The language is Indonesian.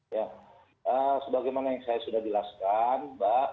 ya sebagaimana yang saya sudah jelaskan mbak